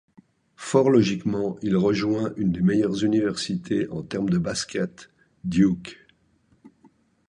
Fort logiquement, il rejoint une des meilleures universités en termes de basket, Duke.